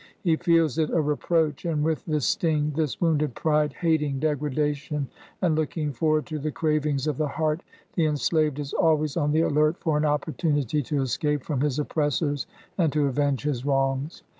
He feels it a reproach, and with this sting, this wounded pride, hating degra dation, and looking forward to the cravings of the heart, the enslaved is always on the alert for an oppor tunity to escape from his oppressors and to avenge his wrongs.